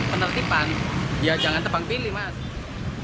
penertiban ya jangan tebang pilih mas